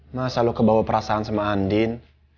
masa lo kebawa perasaan sama andin